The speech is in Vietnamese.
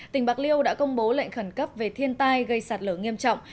tỉnh bạc liêu đã công bố lệnh khẩn cấp về thiên tai gây sạt lở nghiêm trọng